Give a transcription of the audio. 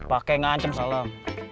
pake ngancem salam